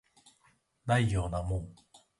ないようなもん